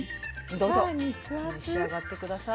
どうぞ召し上がって下さい。